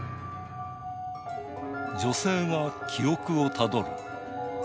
女性が記憶をたどる。